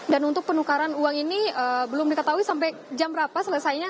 dan untuk penukaran uang ini belum diketahui sampai jam berapa selesainya